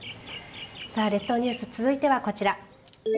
さあ列島ニュース続いてはこちら。